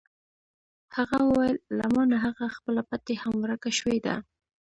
هغه وویل: له ما نه هغه خپله پټۍ هم ورکه شوې ده.